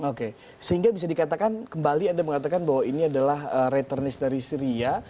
oke sehingga bisa dikatakan kembali anda mengatakan bahwa ini adalah returnis dari syria